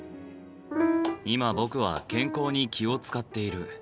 今僕は健康に気を遣っている。